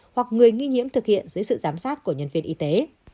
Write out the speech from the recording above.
hoặc người nghi nhiễm thực hiện dưới sự giám sát của nhân viên y tế